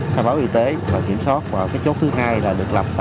khai báo y tế và kiểm soát và chốt thứ hai là được lập